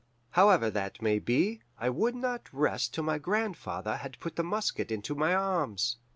"However that may be, I would not rest till my grandfather had put the musket into my arms.